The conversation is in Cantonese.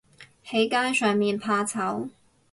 喺街上面怕醜